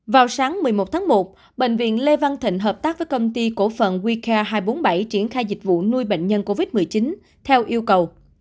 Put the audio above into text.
vào sáng một mươi một tháng một bệnh viện lê văn thịnh hợp tác với công ty cổ phần wica hai trăm bốn mươi bảy triển khai dịch vụ nuôi bệnh nhân covid một mươi chín theo yêu cầu